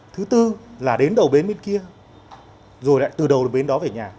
thứ tư là đến đầu bến bên kia rồi lại từ đầu được bến đó về nhà